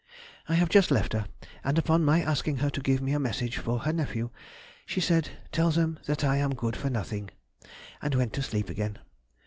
I have just left her, and upon my asking her to give me a message for her nephew, she said, "Tell them that I am good for nothing," and went to sleep again....